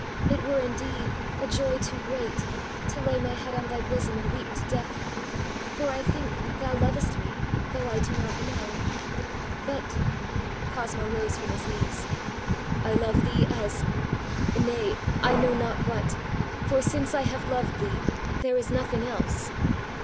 It were indeed a joy too great, to lay my head on thy bosom and weep to death; for I think thou lovest me, though I do not know; ãbutããã Cosmo rose from his knees. ãI love thee asãnay, I know not whatãfor since I have loved thee, there is nothing else.